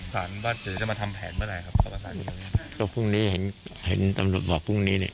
สารบ้านเดี๋ยวจะมาทำแผนก็ได้ครับก็พรุ่งนี้เห็นตำรวจบอกพรุ่งนี้นี่